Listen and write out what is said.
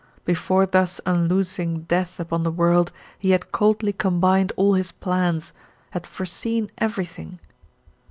Before thus unloosing death upon the world he had coldly combined all his plans, had foreseen everything.